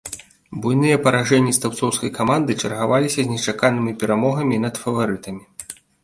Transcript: Буйныя паражэнні стаўбцоўскай каманды чаргаваліся з нечаканымі перамогамі над фаварытамі.